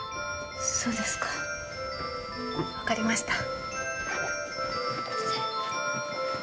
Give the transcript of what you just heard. そうですか分かりました。